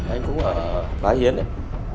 anh cũng ở phá hiến đấy